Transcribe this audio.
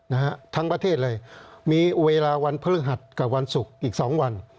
นะฮะทั้งประเทศเลยมีเวลาวันพฤหัสกับวันศุกร์อีกสองวัน